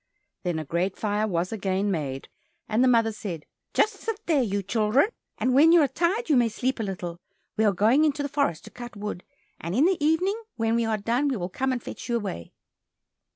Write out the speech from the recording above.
Then a great fire was again made, and the mother said, "Just sit there, you children, and when you are tired you may sleep a little; we are going into the forest to cut wood, and in the evening when we are done, we will come and fetch you away."